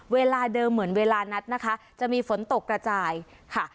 เวลาเดิมเหมือนเวลานัดนะคะจะมีฝนตกกระจายค่ะ